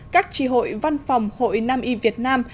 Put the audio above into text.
các tri hội văn phòng hội nam y việt nam